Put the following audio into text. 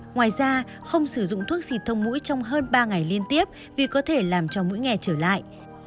ngoài ra không sử dụng thuốc xịt thông mũi trong hơn ba ngày liên tiếp vì có thể làm cho mũi nghe trở lại